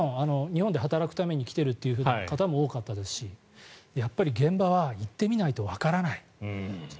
日本で働くために来ているという人も多かったですしやっぱり現場は行ってみないとわからない。